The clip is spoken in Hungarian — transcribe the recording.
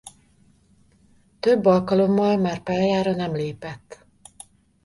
Több alkalommal már pályára nem lépett.